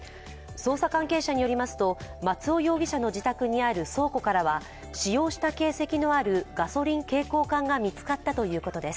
捜査関係者によりますと、松尾容疑者の自宅にある倉庫からは使用した形跡のあるガソリン携行缶が見つかったということです。